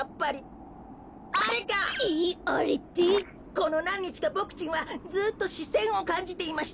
このなんにちかボクちんはずっとしせんをかんじていました。